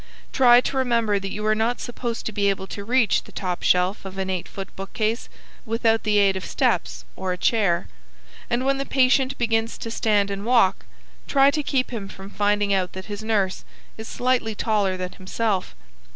Try to remember that you are not supposed to be able to reach the top shelf of an eight foot bookcase without the aid of steps or a chair. And when the patient begins to stand and walk, try to keep him from finding out that his nurse is slightly taller than himself.